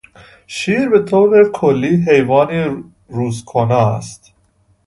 شیر به طور کلی حیوانی روز کنا است.